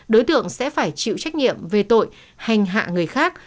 đối tượng sẽ phải chịu trách nhiệm về tội hành hạ người khác